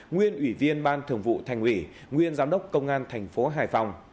nguyên ủy viên ban thường vụ thành ủy nguyên giám đốc công an thành phố hải phòng